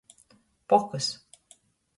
Pokys.